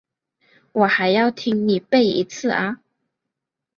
我还要听你背一次啊？